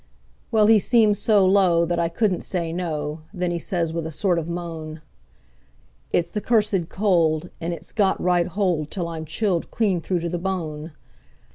Well, he seemed so low that I couldn't say no; then he says with a sort of moan: "It's the cursed cold, and it's got right hold till I'm chilled clean through to the bone.